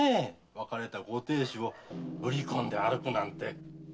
別れたご亭主を売り込んで歩くなんて。